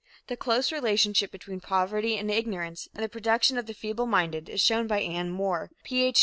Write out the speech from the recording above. The close relationship between poverty and ignorance and the production of feebleminded is shown by Anne Moore, Ph.